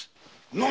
何？